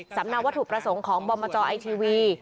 สำเนาวัตถุประสงค์ของบอมมาจอไอทีวี